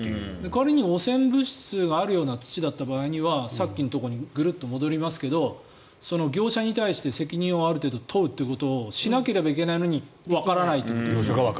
仮に汚染物質があるような土だった場合はさっきのところに戻りますが業者に対して責任を問うということをしなきゃいけないのにわからないという。